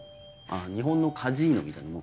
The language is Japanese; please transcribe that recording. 日本のカジノみたいなもん。